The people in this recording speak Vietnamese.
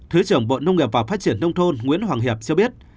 thứ trưởng bộ nông nghiệp và phát triển nông thôn nguyễn hoàng hiệp cho biết